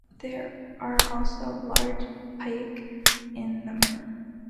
There are also large pike in the mere.